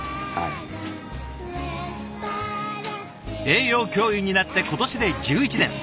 栄養教諭になって今年で１１年。